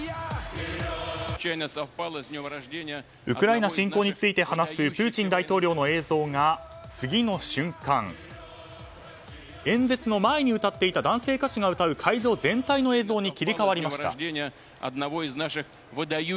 ウクライナ侵攻について話すプーチン大統領の映像が次の瞬間、演説の前に歌っていた男性歌手が歌う会場全体の映像に切り替わりました。